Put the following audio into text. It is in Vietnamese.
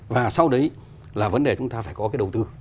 và sau đấy là vấn đề chúng ta phải có cái đầu tư